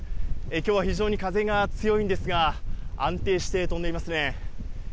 きょうは非常に風が強いんですが、安定して飛んでいますね。